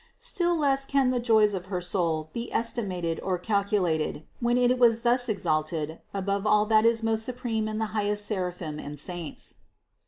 Still less can the joys of her soul be estimated or calculated, when it was thus exalted above all that is most supreme in the highest seraphim and saints.